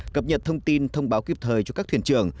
cập nhật thông tin thông báo kịp thời cho các thuyền trưởng